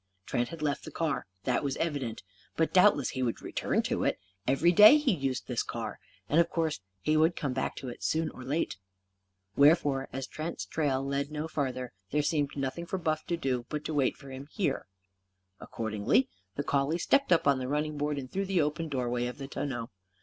Trent had left the car. That was evident. But doubtless he would return to it. Every day he used this car. And, of course, he would come back to it, soon or late. Wherefore, as Trent's trail led no farther, there seemed nothing for Buff to do but to wait for him here. Accordingly, the collie stepped up on the running board, and through the open doorway of the tonneau.